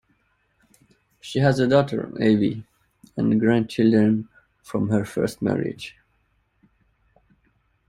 She has a daughter, Abi, and grandchildren, from her first marriage.